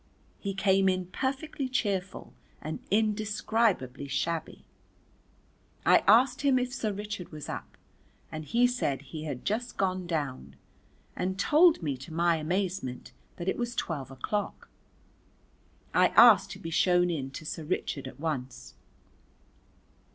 He came in perfectly cheerful and indescribably shabby. I asked him if Sir Richard was up, and he said he had just gone down, and told me to my amazement that it was twelve o'clock. I asked to be shown in to Sir Richard at once.